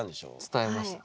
伝えました。